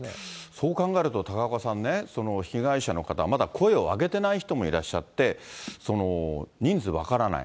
そう考えると、高岡さんね、被害者の方、まだ声を上げてない人もいらっしゃって、人数分からない。